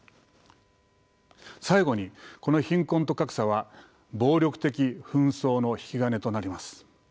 最後にこの貧困と格差は暴力的紛争の引き金となります。